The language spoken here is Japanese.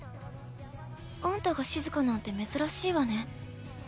あんたが静かなんて珍しいわね。